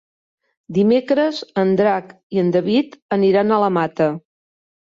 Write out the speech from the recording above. Dimecres en Drac i en David aniran a la Mata.